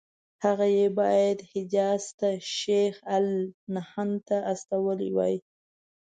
هغه یې باید حجاز ته شیخ الهند ته لېږلي وای.